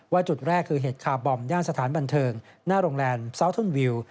จุดแรกคือเหตุคาร์บอมย่านสถานบันเทิงหน้าโรงแรมซาวทุนวิว